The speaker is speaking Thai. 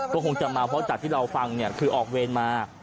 ก็คงจะมาเพราะที่เราฟังคือออกเวรมา